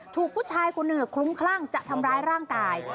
ถูกผู้ชายคนหนึ่งคลุ้มคลั่งจะทำร้ายร่างกาย